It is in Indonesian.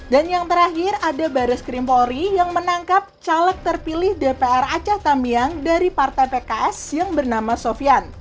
dan yang terakhir ada baris krim polri yang menangkap caleg terpilih dpr acah tamiang dari partai pks yang bernama sofian